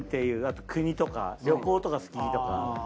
あと国とか旅行とか好きとか。